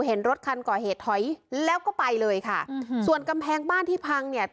เห็นรถคันก่อเหตุถอยแล้วก็ไปเลยค่ะอืมส่วนกำแพงบ้านที่พังเนี่ย